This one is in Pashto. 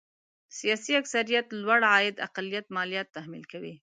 سیاسي اکثريت لوړ عاید اقلیت ماليات تحمیل کوي.